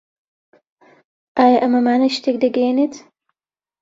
ئایا ئەمە مانای شتێک دەگەیەنێت؟